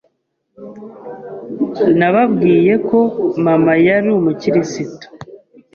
Nababwiye ko mama yari umukristo